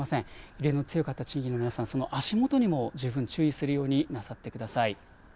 揺れの強かった地域の皆さん、足元にも十分注意するようになさってください。